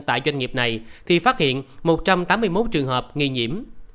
tại doanh nghiệp này thì phát hiện một trăm tám mươi một trường hợp nghi nhiễm